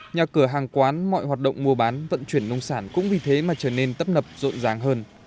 nhà cửa hàng quán mọi hoạt động mua bán vận chuyển nông sản cũng vì thế mà trở nên tấp nập rội ràng hơn